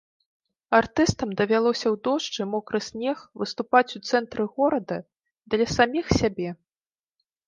Артыстам давялося ў дождж і мокры снег выступаць у цэнтры горада для саміх сябе.